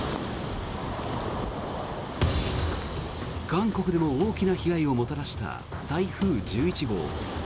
韓国でも大きな被害をもたらした台風１１号。